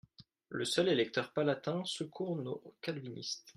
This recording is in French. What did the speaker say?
Le seul électeur palatin secourt nos calvinistes.